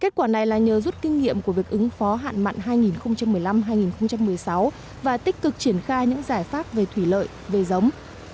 kết quả này là nhờ rút kinh nghiệm của việc ứng phó hạn mặn hai nghìn một mươi năm hai nghìn một mươi sáu và tích cực triển khai những giải pháp về thủy lợi về giống